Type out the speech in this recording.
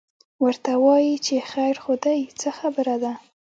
ورته وایي چې خیر خو دی، څه خبره ده؟